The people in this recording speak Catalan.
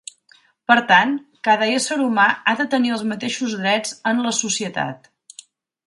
Per tant, cada ésser humà ha de tenir els mateixos drets en la societat.